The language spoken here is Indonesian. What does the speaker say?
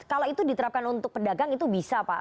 kalau itu diterapkan untuk pedagang itu bisa pak